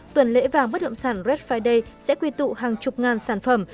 tuần lễ vàng bất động sản red friday sẽ quy tụ hàng chục ngàn sản phẩm